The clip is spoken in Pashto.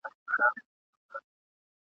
د راډیو په تالار کي ..